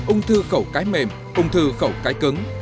ông thư khẩu cái mềm ông thư khẩu cái cứng